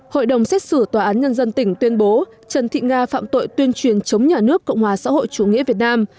hội đồng xét xử tòa án nhân dân tỉnh tuyên bố trần thị nga phạm tội tuyên truyền chống nhà nước cộng hòa xã hội chủ nghĩa việt nam